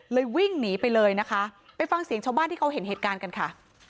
วิ่งหนีไปเลยนะคะไปฟังเสียงชาวบ้านที่เขาเห็นเหตุการณ์กันค่ะ